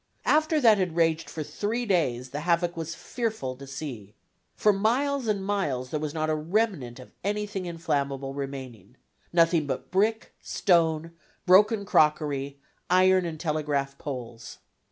After that had raged for three days the havoc was fearful to see. For miles and miles there was not a remnant of anything inflammable remaining, nothing but brick, stone, broken crockery, iron and telegraph poles.